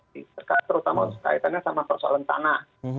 terutama kaitannya sama persoalan tanah